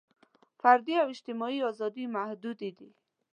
فردي او اجتماعي ازادۍ محدودې دي.